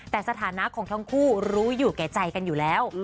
แต่สถานะของทั้งคู่รู้อยู่แก่ใจกันอยู่แล้ว